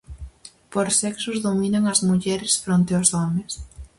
Por sexos dominan as mulleres fronte aos homes.